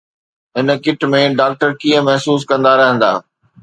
هن کٽ ۾ ڊاڪٽر ڪيئن محسوس ڪندا رهندا؟